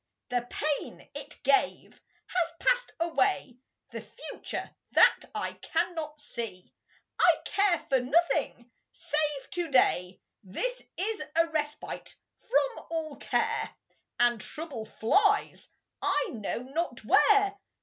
The pain it gave has passed away. The future that I cannot see! I care for nothing save to day This is a respite from all care, And trouble flies I know not where.